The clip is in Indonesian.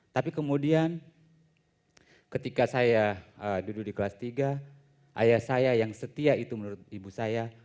tapi kemudian ketika saya duduk di kelas tiga ayah saya yang setia itu menurut ibu saya